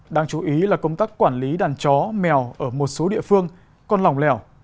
đáng chú ý là công tác quản lý đàn chó mèo ở một số địa phương còn lỏng lẻo